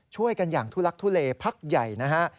ช่วยกันอย่างทุลักทุเลพักใหญ่นะฮะ